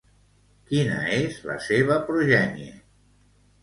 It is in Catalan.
Quina és la seva progènie?